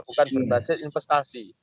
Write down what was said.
bukan berbasis investasi